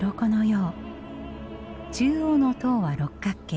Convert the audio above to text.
中央の塔は六角形。